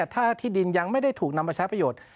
ถ้าที่ดินยังไม่ได้ถูกนำไปใช้ประโยชน์